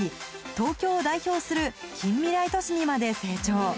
東京を代表する近未来都市にまで成長